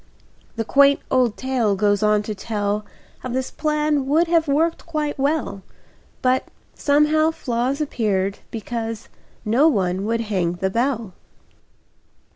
The quaint old tale goes on to tell How this plan would have worked quite well, [Pg 34] But, somehow, flaws Appeared, because No one would hang the bell.